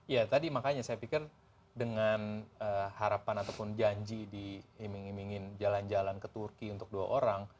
ya tadi makanya saya pikir dengan harapan ataupun janji diiming imingin jalan jalan ke turki untuk dua orang